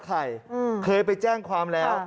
อืมอืมอืมอืมอืมอืมอืมอืมอืมอืมเคยไปแจ้งความแล้ว